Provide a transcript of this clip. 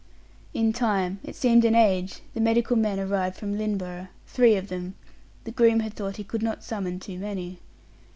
In time it seemed an age the medical men arrived from Lynneborough three of them the groom had thought he could not summon too many.